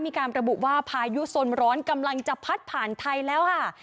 มีการระบุว่าพายุสนร้อนกำลังจะพัดผ่านไทยแล้วค่ะ